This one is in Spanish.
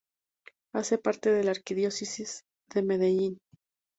Hace parte de la Arquidiócesis de Medellín.